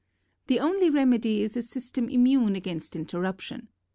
The only remedy is a system immune against interruption.